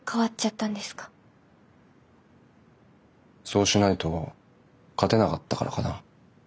そうしないと勝てなかったからかな。